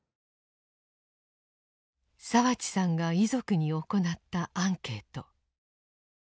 澤地さんが遺族に行ったアンケート。